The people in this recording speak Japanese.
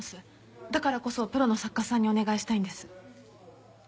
だからこそプロの作家さんにお願いしたいんです。